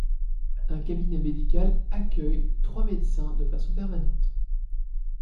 Un cabinet médical accueille trois médecins de façon permanente.